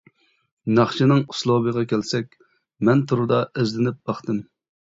ناخشىنىڭ ئۇسلۇبىغا كەلسەك، مەن توردا ئىزدىنىپ باقتىم.